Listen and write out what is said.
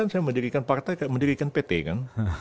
saya menjadikan partai kayak menjadikan pt kan